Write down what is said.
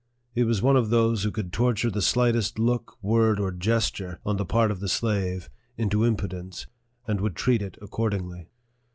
He was one of those who could torture the slightest look, word, or gesture, on the part of the slave, into impudence, and would treat it accordingly.